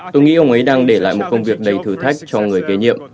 tôi nghĩ ông ấy đang để lại một công việc đầy thử thách cho người kế nhiệm